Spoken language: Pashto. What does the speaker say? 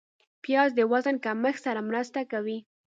پیاز د وزن کمښت سره مرسته کوي